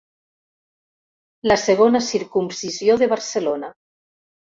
La segona circumcisió de Barcelona.